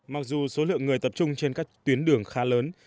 mặc dù số lượng người tập trung trên các tuyến đường khá lớn